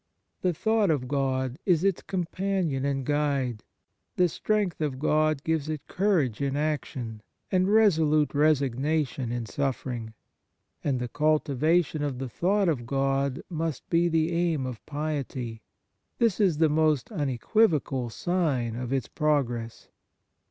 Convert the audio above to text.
The thought of God is its companion and guide, the strength of God gives it 85 On Piety courage in action and resolute resig nation in suffering. And the cultiva tion of the thought of God must be the aim of piety ; this is the most unequivocal sign of its progress.